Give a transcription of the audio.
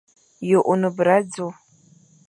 Ye one bera dzo?